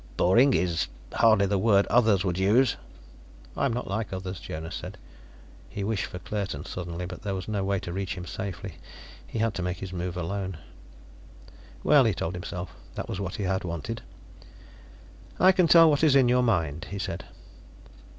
"Boring is hardly the word others would use." "I am not like others," Jonas said. He wished for Claerten suddenly, but there was no way to reach him safely. He had to make his move alone. Well, he told himself, that was what he had wanted. "I can tell you what is in your mind," he said.